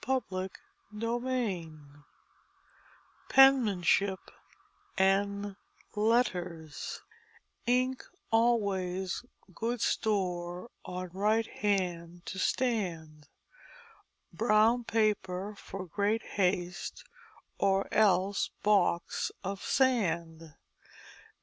CHAPTER VII PENMANSHIP AND LETTERS _Ink alwais good store on right hand to stand Brown paper for great haste or else box of sand.